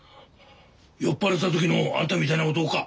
酔っ払った時のあんたみたいな男か。